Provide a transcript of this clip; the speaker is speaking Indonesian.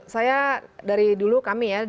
saya dari dulu kami ya